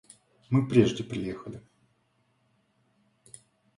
Мы прежде приехали.